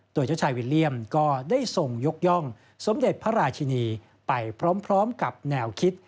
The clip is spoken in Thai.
โดยเจ้าชายวิลเลี่ยมก็ได้ทรงยกย่องสมเด็จพระราชินีไปพร้อมกับแนวคิด